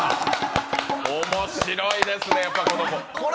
面白いですね、やっぱこの子。